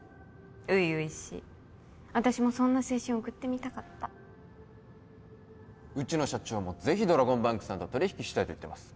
初々しい私もそんな青春送ってみたかったうちの社長もぜひドラゴンバンクさんと取引したいと言ってます